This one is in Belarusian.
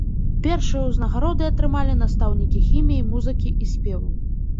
Першыя ўзнагароды атрымалі настаўнікі хіміі, музыкі і спеваў.